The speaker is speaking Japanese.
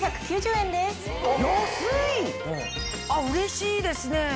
うれしいですね。